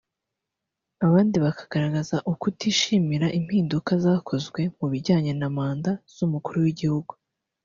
abandi bakagaragaza ukutishimira impinduka zakozwe mu bijyanye na manda z’umukuru w’igihugu